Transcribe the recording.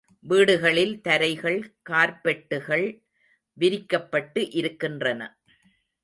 வீடுகளில் தரைகள் கார்ப்பெட்டுகள் விரிக்கப்பட்டு இருக்கின்றன.